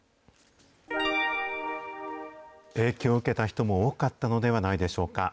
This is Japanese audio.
影響を受けた人も多かったのではないでしょうか。